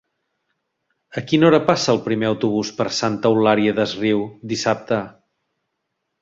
A quina hora passa el primer autobús per Santa Eulària des Riu dissabte?